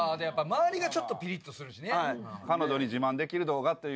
周りがちょっとピリッとするしね。